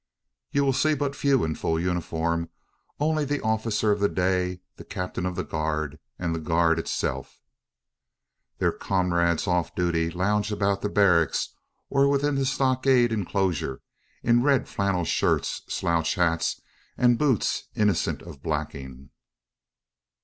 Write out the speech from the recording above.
You will see but few in full uniform only the officer of the day, the captain of the guard, and the guard itself. Their comrades off duty lounge about the barracks, or within the stockade enclosure, in red flannel shirts, slouch hats, and boots innocent of blacking.